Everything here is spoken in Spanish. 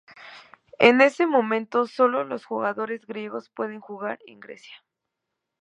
En ese momento sólo los jugadores griegos pueden jugar en Grecia.